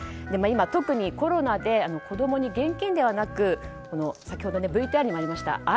今、特にコロナで子供に現金ではなくＶＴＲにもありました